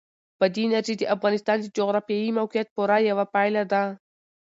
بادي انرژي د افغانستان د جغرافیایي موقیعت پوره یوه پایله ده.